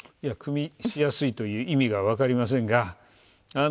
くみしやすいという意味が分かりませんが。